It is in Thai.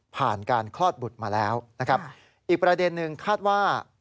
ผ่านการคลอดบุตรมาแล้วนะครับอีกประเด็นนึงคาดว่า